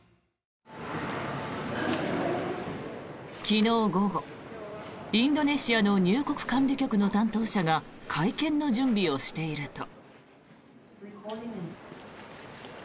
昨日午後、インドネシアの入国管理局の担当者が会見の準備をしていると。